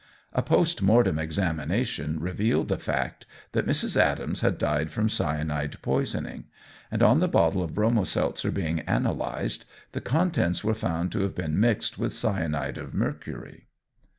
A post mortem examination revealed the fact that Mrs. Adams had died from cyanide poisoning; and on the bottle of Bromo seltzer being analysed the contents were found to have been mixed with cyanide of mercury.